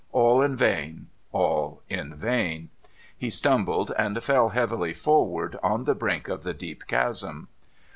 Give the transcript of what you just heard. All in vain, all in vain ! He stumbled, and fell heavily forward on the brink of the deep chasm.